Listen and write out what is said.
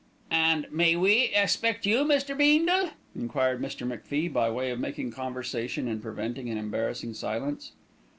"And and may we expect you, Mr. Beendle?" enquired Mr. MacFie by way of making conversation and preventing an embarrassing silence.